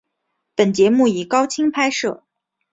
本节目以高清拍摄。